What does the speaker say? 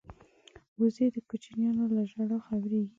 وزې د کوچنیانو له ژړا خبریږي